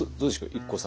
ＩＫＫＯさん。